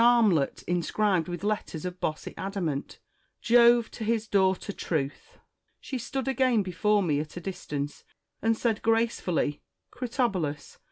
armlet inscribed with letters of bossy adamant, 'Jove to his daughter Truth.' " She stood again before me at a distance, and said grace fully, ' Critobulus